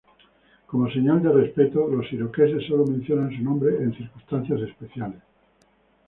Como señal de respeto, los iroqueses sólo mencionan su nombre en circunstancias especiales.